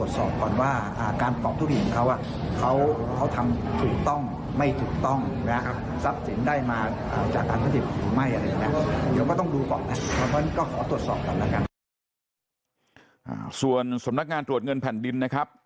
ส่วนสำนักงานตรวจเงินแผ่นดินนะครับ